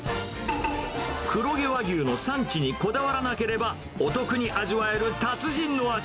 黒毛和牛の産地にこだわらなければ、お得に味わえる達人の味。